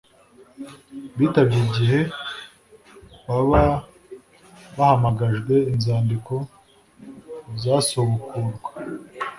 bitabye igihe baba bahamagajwe inzandiko zasubukurwa